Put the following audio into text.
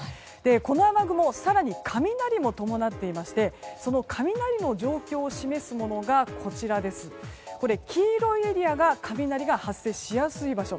この雨雲は更に雷も伴っていましてその雷の状況を示すものが黄色いエリアが雷が発生しやすい場所。